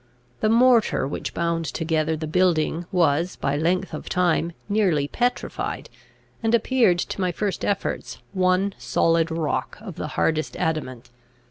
The mortar which bound together the building was, by length of time, nearly petrified, and appeared to my first efforts one solid rock of the hardest adamant.